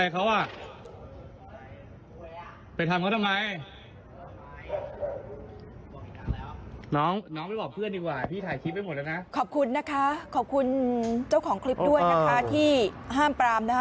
ขอบคุณนะคะขอบคุณเจ้าของคลิปด้วยนะคะที่ห้ามปรามนะคะ